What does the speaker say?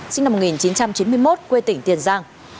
sinh năm một nghìn chín trăm chín mươi một quê tỉnh tiền giang